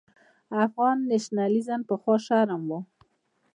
افغان نېشنلېزم پخوا شرم و.